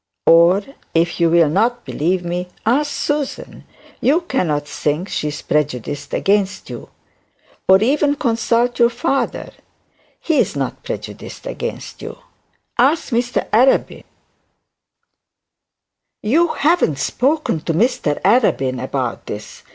'Or if you will not believe me, ask Susan; you cannot think she is prejudiced against you. Or even consult your father, he is not prejudiced against you. Ask Mr Arabin ' 'You haven't spoken to Mr Arabin about this!'